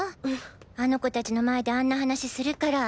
あの子達の前であんな話するから。